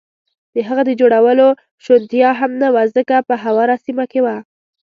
د هغه د جوړولو شونتیا هم نه وه، ځکه په هواره سیمه کې و.